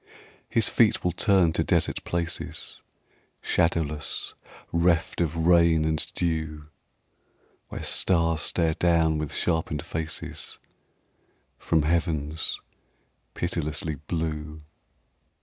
His feet will turn to desert places Shadowless, reft of rain and dew, Where stars stare down with sharpened faces From heavens pitilessly blue.